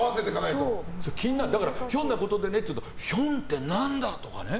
ひょんなことでねって言うと「ひょん」って何だとか。